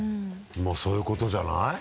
まぁそういうことじゃない？